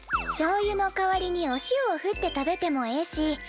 しょうゆの代わりにお塩をふって食べてもええし